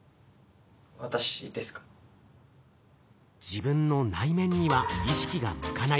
自分の内面には意識が向かない。